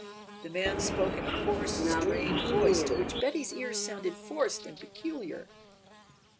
The man spoke in a hoarse, strained voice which to Betty's ears sounded forced and peculiar.